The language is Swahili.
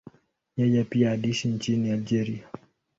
Yeye pia aliishi nchini Algeria.